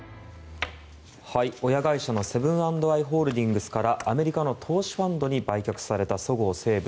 親会社のセブン＆アイ・ホールディングスからアメリカの投資ファンドに売却されたそごう・西武。